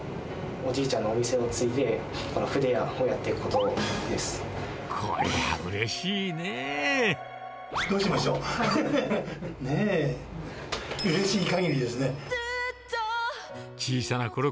おじいちゃんのお店を継いで、この筆やをやっていくことです。